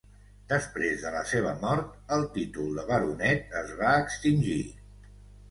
Després de la seva mort, el títol de baronet es va extingir.